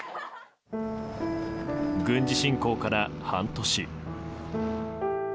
軍事侵攻から半年。